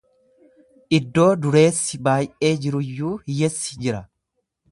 lddoo dureessi baay'ee jiruyyuu hiyyessi jira.